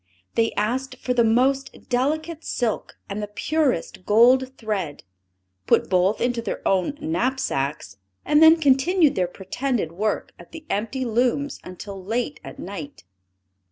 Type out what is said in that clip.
They asked for the most delicate silk and the purest gold thread; put both into their own knapsacks; and then continued their pretended work at the empty looms until late at night.